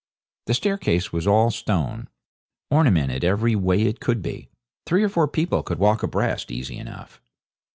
The staircase was all stone, ornamented every way it could be. Three or four people could walk abreast easy enough.